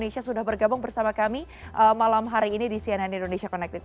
indonesia sudah bergabung bersama kami malam hari ini di cnn indonesia connected